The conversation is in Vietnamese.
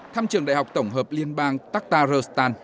thăm trường đại học tổng hợp liên bang taktaristan